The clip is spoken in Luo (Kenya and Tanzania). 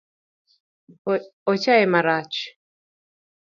Ochaye marach